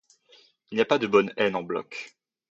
Il n’y a pas de bonne haine en bloc.